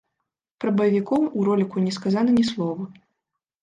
Пра баевікоў у роліку не сказана ні слова.